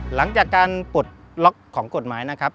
หลังจากการปลดล็อกของกฎหมายนะครับ